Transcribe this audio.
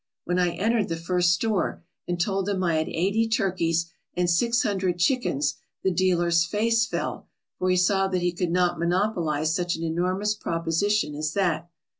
When I entered the first store and told them I had eighty turkeys and six hundred chickens the dealer's face fell, for he saw that he could not monopolize such an enormous proposition as that.